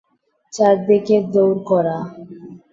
চারদিকে দৌড় করা।